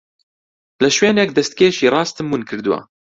لە شوێنێک دەستکێشی ڕاستم ون کردووە.